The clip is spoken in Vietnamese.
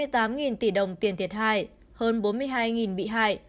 bốn trăm chín mươi tám tỷ đồng tiền thiệt hại hơn bốn mươi hai bị hại